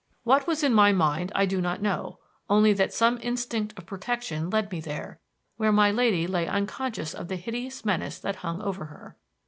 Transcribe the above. What was in my mind I do not know; only that some instinct of protection led me there, where my lady lay unconscious of the hideous menace that hung over her.